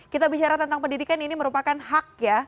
kita bicara tentang pendidikan ini merupakan hak ya